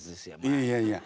いやいやいや。